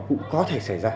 cũng có thể xảy ra